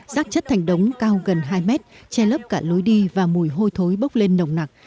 rác chất thành đống cao gần hai mét che lấp cả lối đi và mùi hôi thối bốc lên nồng nặc